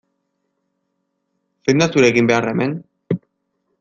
Zein da zure eginbeharra hemen?